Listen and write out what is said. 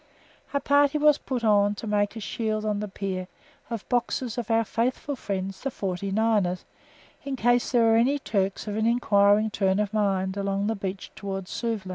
A party was put on to make a shield on the pier of boxes of our faithful friends the "forty niners," in case there were any Turks of an enquiring turn of mind along the beach towards Suvla.